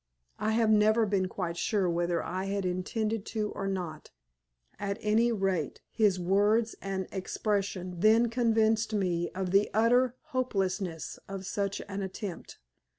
I have never been quite sure whether I had intended to or not. At any rate, his words and expression then convinced me of the utter hopelessness of such an attempt.